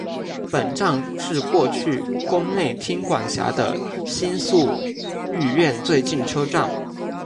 本站是过去宫内厅管辖的新宿御苑最近车站。